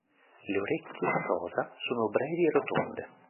Le orecchie, rosa, sono brevi e rotonde.